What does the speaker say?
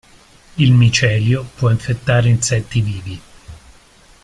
Il micelio può infettare insetti vivi.